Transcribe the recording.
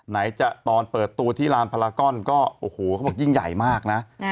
ไหนจะตอนเปิดตัวที่ลานพลาก้อนก็โอ้โหเขาบอกยิ่งใหญ่มากนะ